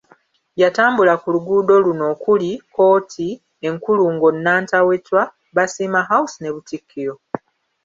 Yatambula ku luguudo luno okuli; kkooti, enkulungo Nantawetwa, Basiima House ne Butikkiro.